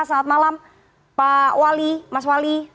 selamat malam pak wali mas wali